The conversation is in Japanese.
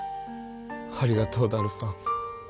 ありがとうダルさん。